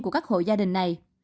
của các hội gia đình này